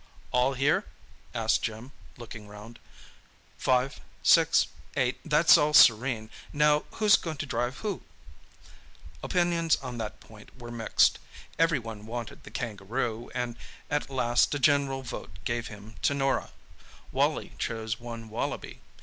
"All here?" asked Jim, looking round. "Five, six, eight—that's all serene. Now who's going to drive who?" Opinions on that point were mixed. Every one wanted the kangaroo, and at last a general vote gave him to Norah. Wally chose one Wallaby.